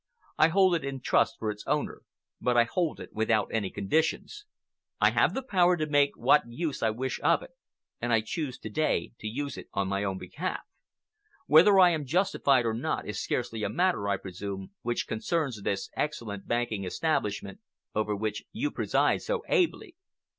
I hold it in trust for its owner, but I hold it without any conditions. I have power to make what use I wish of it, and I choose to day to use it on my own behalf. Whether I am justified or not is scarcely a matter, I presume, which concerns this excellent banking establishment over which you preside so ably.